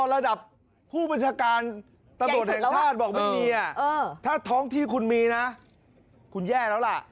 ระดับผู้บรรชาการตะโดทแห่งธาตุบอกว่าไม่มีถ้าท้องที่คุณมีนะเค้าแย่ละล่ะ